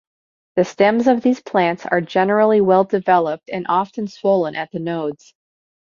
The stems of these plants are generally well-developed, and often swollen at the nodes.